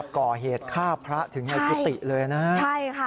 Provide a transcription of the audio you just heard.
ก่อเหตุฆ่าพระถึงให้กุฏิเลย